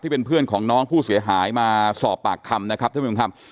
เป็นเพื่อนของน้องผู้เสียหายมาสอบปากคำนะครับท่านผู้ชมครับ